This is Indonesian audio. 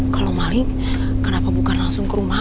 kalau maling kenapa bukan langsung ke rumah